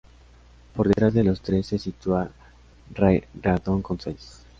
Por detrás de los tres se sitúa Ray Reardon con seis.